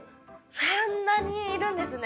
そんなにいるんですね。